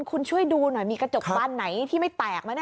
คุณช่วยดูหน่อยมีกระจกบานไหนที่ไม่แตกไหม